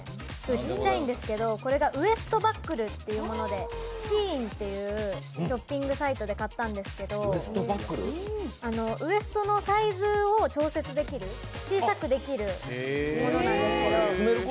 ちっちゃいんですけど、これがウエストバックルっていうＳＨＥＩＮというショッピングサイトで買ったんですけどウエストのサイズを調節できる、小さくできるものなんです。